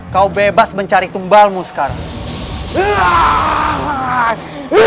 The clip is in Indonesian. kau bebas mencari kembalmu sekarang